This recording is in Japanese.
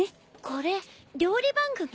これ料理番組？